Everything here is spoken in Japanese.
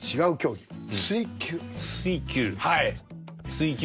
水球？